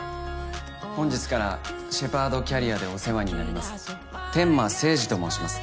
本日からシェパードキャリアでお世話になります天間聖司と申します。